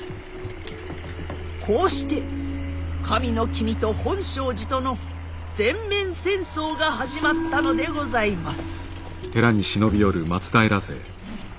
こうして神の君と本證寺との全面戦争が始まったのでございます。